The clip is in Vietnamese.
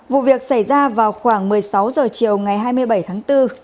vụ việc xảy ra vào khoảng một mươi sáu h chiều ngày hai mươi bảy tháng bốn